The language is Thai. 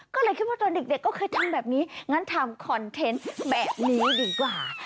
ก็เลยคิดว่าตอนเด็กก็เคยทำแบบนี้งั้นทำคอนเทนต์แบบนี้ดีกว่า